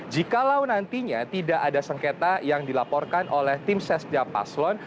jikalau nantinya tidak ada sengketa yang dilaporkan oleh tim sesda paslon